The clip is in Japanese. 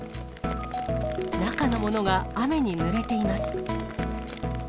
中のものが雨にぬれています。